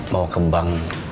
mau ke bank